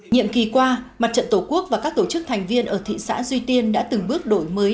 nhiệm kỳ qua mặt trận tổ quốc và các tổ chức thành viên ở thị xã duy tiên đã từng bước đổi mới